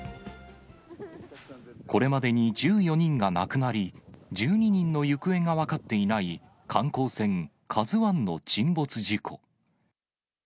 これまでに１４人が亡くなり、１２人の行方が分かっていない観光船カズワンの沈没事故。